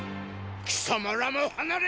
貴様らも離れよ！